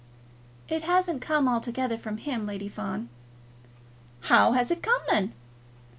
"It hasn't come altogether from him, Lady Fawn." "How has it come, then?"